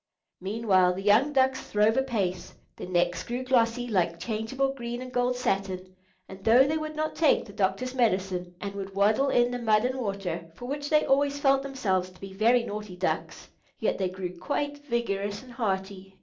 Meanwhile the young ducks throve apace. Their necks grew glossy, like changeable green and gold satin, and though they would not take the doctor's medicine, and would waddle in the mud and water—for which they always felt themselves to be very naughty ducks—yet they grew quite vigorous and hearty.